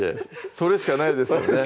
それしかないですもんね